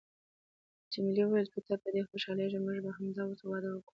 جميلې وويل: که ته په دې خوشحالیږې، موږ به همدا اوس واده وکړو.